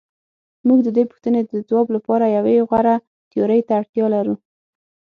موږ د دې پوښتنې د ځواب لپاره یوې غوره تیورۍ ته اړتیا لرو.